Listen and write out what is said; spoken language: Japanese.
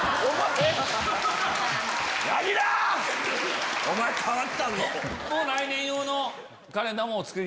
えっ！